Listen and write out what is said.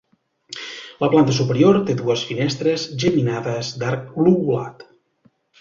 La planta superior té dues finestres geminades d'arc lobulat.